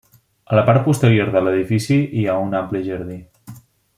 A la part posterior de l'edifici hi ha un ampli jardí.